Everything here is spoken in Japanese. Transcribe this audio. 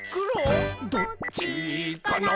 「どっちかな？」